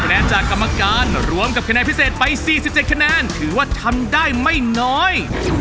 แนนจากกรรมการรวมกับคะแนนพิเศษไป๔๗คะแนนถือว่าทำได้ไม่น้อย